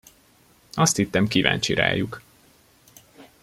Azt hittem, kíváncsi rájuk.